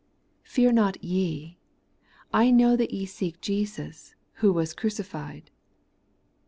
' Fear not ye ; I know that ye seek Jesus, who was crucified.'